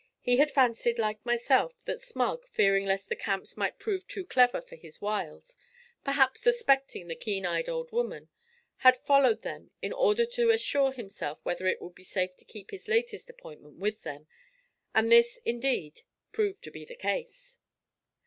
He had fancied, like myself, that 'Smug,' fearing lest the Camps might prove too clever for his wiles perhaps suspecting the keen eyed old woman had followed them in order to assure himself whether it would be safe to keep his latest appointment with them, and this indeed proved to be the case.